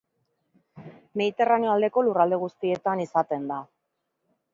Mediterraneo aldeko lurralde guztietan izaten da.